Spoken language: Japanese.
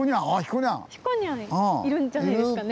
ひこにゃんいるんじゃないですかね。